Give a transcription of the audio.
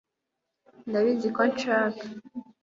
ndabizi ko anshaka